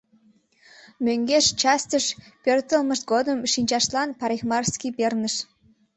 Мӧҥгеш частьыш пӧртылмышт годым шинчаштлан парикмахерский перныш.